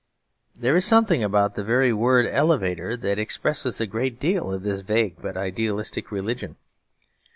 There is something about the very word elevator that expresses a great deal of his vague but idealistic religion.